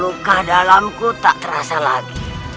luka dalamku tak terasa lagi